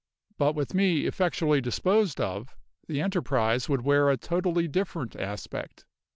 But with me effectually disposed of the enterprise would wear a totally different aspect.